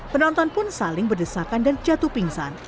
penonton pun saling berdesakan dan jatuh pingsan